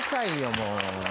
もう。